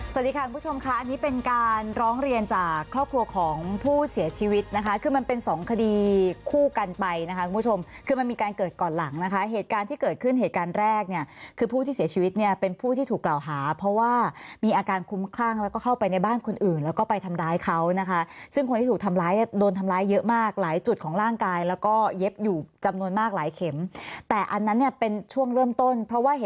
สวัสดีค่ะคุณผู้ชมค่ะอันนี้เป็นการร้องเรียนจากครอบครัวของผู้เสียชีวิตนะคะคือมันเป็นสองคดีคู่กันไปนะคะคุณผู้ชมคือมันมีการเกิดก่อนหลังนะคะเหตุการณ์ที่เกิดขึ้นเหตุการณ์แรกเนี่ยคือผู้ที่เสียชีวิตเนี่ยเป็นผู้ที่ถูกกล่าวหาเพราะว่ามีอาการคุ้มข้างแล้วก็เข้าไปในบ้านคนอื่นแล้วก็ไปทำร้ายเขานะคะซึ่